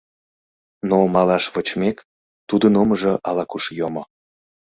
Но, малаш вочмек, тудын омыжо ала-куш йомо.